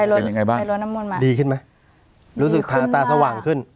ไปรถไปรถน้ำมนต์มาดีขึ้นไหมดีขึ้นมารู้สึกทางตาสว่างขึ้น